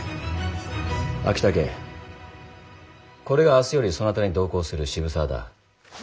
これが明日よりそなたに同行する渋沢だ。